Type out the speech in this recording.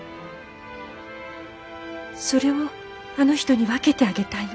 それをあの人に分けてあげたいの。